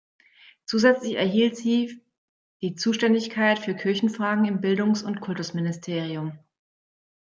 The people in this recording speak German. Zusätzlich erhielt sie die Zuständigkeit für Kirchenfragen im Bildungs- und Kulturministerium.